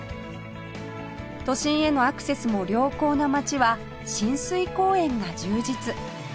都心へのアクセスも良好な街は親水公園が充実